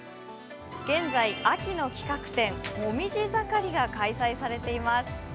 現在秋の企画展紅黄葉ざかりが開催されています。